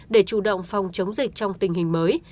để chủ động phòng chống dịch trong tình hình mới